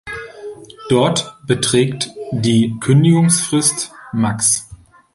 Dort beträgt die Kündigungsfrist max.